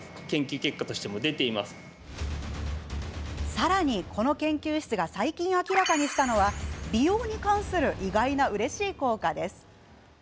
さらに、この研究室が最近、明らかにしたのは美容に関する意外なうれしい効果です。